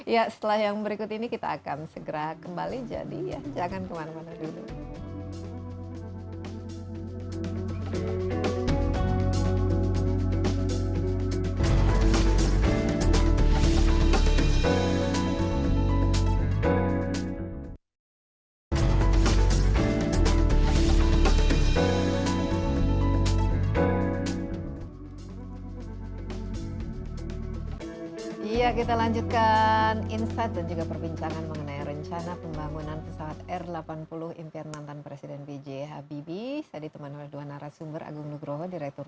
ya setelah yang berikut ini kita akan segera kembali jadi ya jangan kemana mana dulu